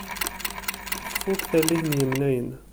Tfuk tallit n yimnayen.